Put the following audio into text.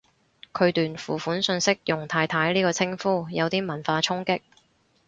佢段付款訊息用太太呢個稱呼，有啲文化衝擊